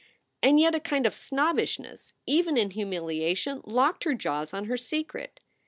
And yet a kind of snobbishness even in humilia tion locked her jaws on her secret.